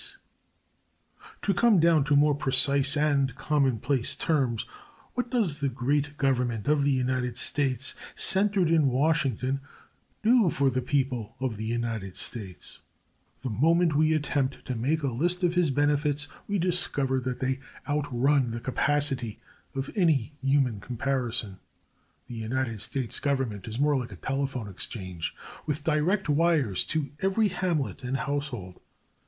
[Illustration: WEATHER KIOSK OF U. S. WEATHER BUREAU A miniature observatory for the man of the street] To come down to more precise and commonplace terms, what does the great Government of the United States, centered in Washington, do for the people of the United States? The moment we attempt to make a list of his benefits we discover that they outrun the capacity of any human comparison. The United States Government is more like a telephone exchange, with direct wires to every hamlet and household.